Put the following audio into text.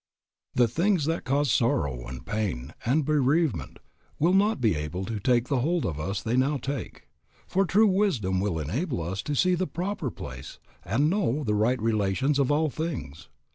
The things that cause sorrow, and pain, and bereavement will not be able to take the hold of us they now take, for true wisdom will enable us to see the proper place and know the right relations of all things.